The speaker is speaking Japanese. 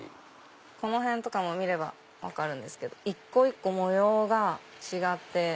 この辺も見れば分かるんですけど一個一個模様が違って。